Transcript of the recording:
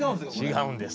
違うんです。